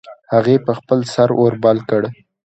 هغې په خپل سر اور بل کړ